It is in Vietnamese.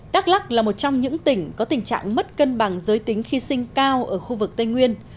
đắk lắc là một trong những tỉnh có tình trạng mất cân bằng giới tính khi sinh cao ở khu vực tây nguyên